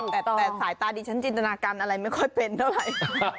แต่สายตาดิฉันจินตนาการอะไรไม่ค่อยเป็นเท่าไหร่